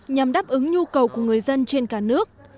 nhằm đáp ứng nhu cầu của người dân trên cả nước